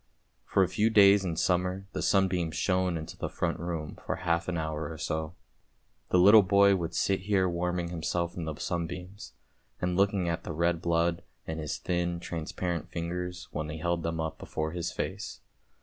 For a few days in summer the sunbeams shone into the front room, for half an hour or so. The little boy would sit here warming himself in the sunbeams, and looking at the red blood in his thin transparent fingers when he held them up before his face.